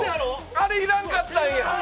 あれ、要らんかったんや。